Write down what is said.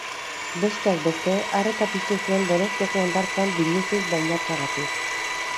Besteak beste, arreta piztu zuen Donostiako hondartzan biluzik bainatzeagatik.